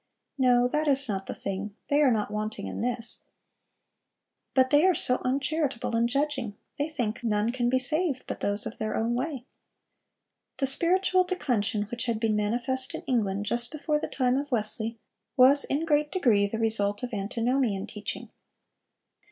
'No; that is not the thing: they are not wanting in this: but they are so uncharitable in judging! they think none can be saved but those of their own way.' "(376) The spiritual declension which had been manifest in England just before the time of Wesley, was in great degree the result of Antinomian teaching.